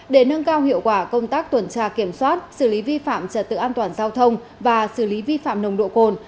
để nâng cao hiệu quả công tác tuần tra kiểm soát xử lý vi phạm trật tự an toàn giao thông và xử lý vi phạm nồng độ cồn